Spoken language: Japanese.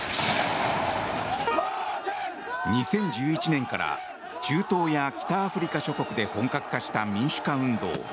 ２０１１年から中東や北アフリカ諸国で本格化した民主化運動